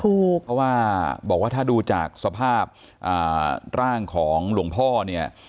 ถูกเพราะว่าบอกว่าถ้าดูจากสภาพร่างของหลวงพ่อเนี่ย